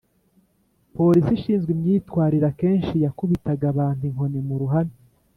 Polisi ishinzwe imyitwarire akenshi yakubitaga abantu inkoni mu ruhame